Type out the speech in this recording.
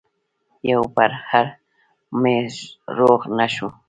يو پرهر مې روغ نه شو